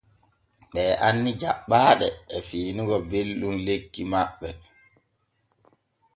Ɓe anni jaɓɓaaɗe e fiinugo belɗum lekki maɓɓe.